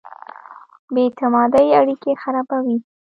بې اعتمادۍ اړیکې خرابوي.